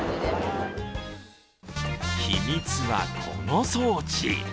秘密は、この装置。